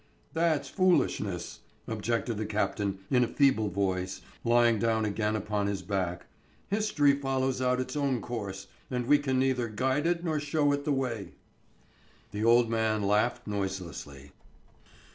"That's foolishness," objected the captain, in a feeble voice, lying down again upon his back. "History follows out its own course, and we can neither guide it nor show it the way." The old man laughed noiselessly.